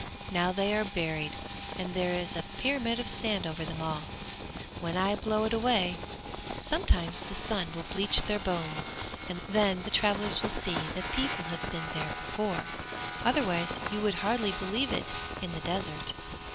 Now they are buried, and there is a pyramid of sand over them all; when I blow it away, sometime the sun will bleach their bones, and then travellers will see that people have been there before, otherwise you would hardly believe it in the desert!'